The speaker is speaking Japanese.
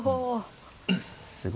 すごい。